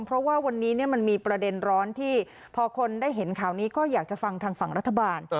เพราะว่าวันนี้มันมีประเด็นร้อนที่พอคนได้เห็นข่าวนี้ก็อยากจะฟังทางฝั่งรัฐบาล